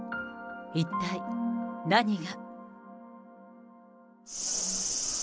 一体、何が。